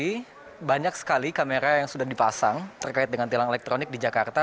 jadi banyak sekali kamera yang sudah dipasang terkait dengan tilang elektronik di jakarta